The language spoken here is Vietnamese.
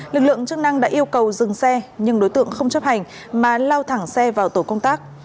lực lượng chức năng đã yêu cầu dừng xe nhưng đối tượng không chấp hành mà lao thẳng xe vào tổ công tác